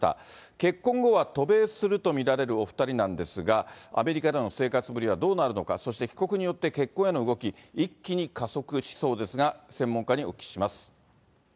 結婚後は渡米すると見られるお２人なんですが、アメリカでの生活ぶりはどうなるのか、そして帰国によって結婚への動き、一気に加速しそうですが、専門家にお聞きします。